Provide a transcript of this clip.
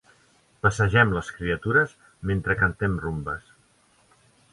Passegem les criatures mentre cantem rumbes.